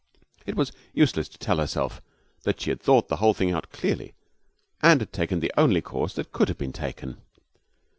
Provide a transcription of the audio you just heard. It was useless to tell herself that she had thought the whole thing out clearly and had taken the only course that could have been taken.